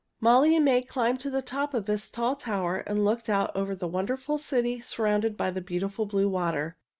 Molly and May climbed to the top of this tall tower and looked out over the wonderful city surrounded by the beautiful blue water.